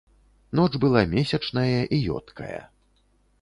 Ноч была месячная і ёдкая.